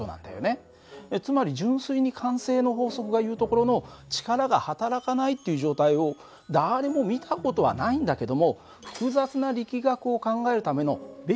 つまり純粋に慣性の法則がいうところの力がはたらかないっていう状態を誰も見た事はないんだけども複雑な力学を考えるためのベースになる法則なんだよ。